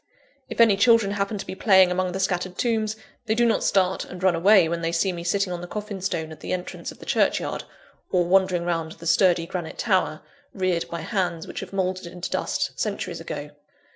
If any children happen to be playing among the scattered tombs, they do not start and run away, when they see me sitting on the coffin stone at the entrance of the churchyard, or wandering round the sturdy granite tower, reared by hands which have mouldered into dust centuries ago.